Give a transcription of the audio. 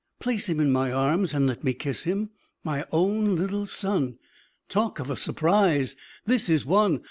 Place him in my arms, and let me kiss him. My own little son! Talk of a surprise! this is one!